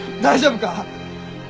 大丈夫か！？